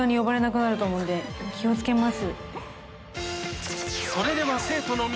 気を付けます。